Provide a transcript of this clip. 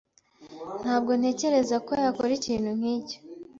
Ntabwo ntekereza ko yakora ikintu nkicyo.